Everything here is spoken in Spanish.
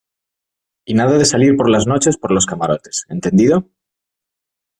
y nada de salir por las noches por los camarotes, ¿ entendido?